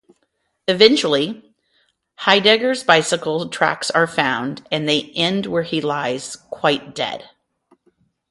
Eventually, Heidegger's bicycle tracks are found, and they end where he lies, quite dead.